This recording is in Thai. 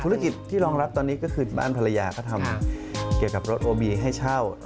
ที่รองรับตอนนี้ก็คือบ้านภรรยาก็ทำเกี่ยวกับรถโอบีให้เช่า